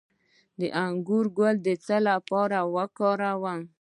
د انګور ګل د څه لپاره وکاروم؟